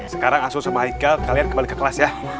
sekarang asuh sama ike kalian kembali ke kelas ya